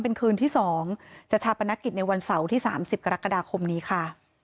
เป็นคืนที่๒จะชาปนกิจในวันเสาร์ที่๓๐กรกฎาคมนี้ค่ะ